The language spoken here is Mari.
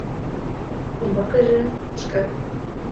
Умбакыже — пашкар.